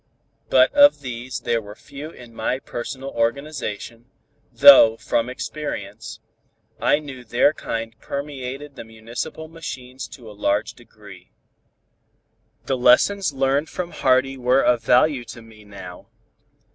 But of these there were few in my personal organization, though from experience, I knew their kind permeated the municipal machines to a large degree. The lessons learned from Hardy were of value to me now.